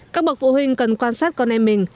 các bậc phụ huynh cần quan sát con em mình